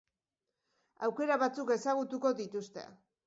Aukera batzuk ezagutuko dituzte.